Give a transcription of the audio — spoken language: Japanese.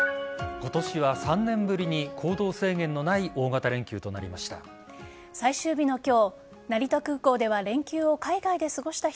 今年は３年ぶりに行動制限のない大型連休となりました。